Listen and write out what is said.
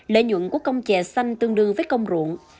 lợi nhuận của công chè xanh tương đương với công ruộng